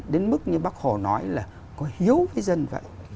đến mức như bác hồ nói là có hiếu với dân vậy